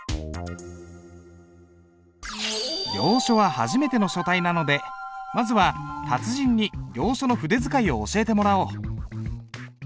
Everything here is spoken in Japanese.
行書は初めての書体なのでまずは達人に行書の筆使いを教えてもらおう。